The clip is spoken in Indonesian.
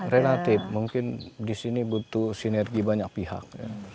relatif mungkin di sini butuh sinergi banyak pihak